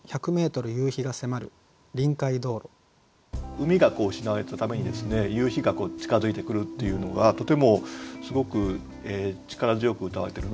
海が失われたために夕日が近づいてくるというのがとてもすごく力強くうたわれてるなと思いました。